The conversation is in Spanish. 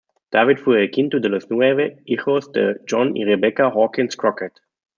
David fue el quinto de los nueve hijos de John y Rebecca Hawkins Crockett.